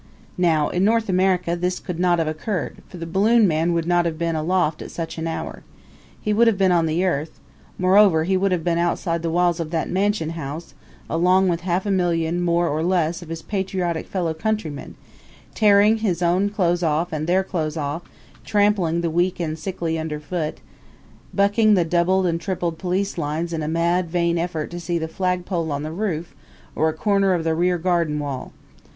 Now in America this could not have occurred, for the balloon man would not have been aloft at such an hour. He would have been on the earth; moreover he would have been outside the walls of that mansion house, along with half a million, more or less, of his patriotic fellow countrymen, tearing his own clothes off and their clothes off, trampling the weak and sickly underfoot, bucking the doubled and tripled police lines in a mad, vain effort to see the flagpole on the roof or a corner of the rear garden wall.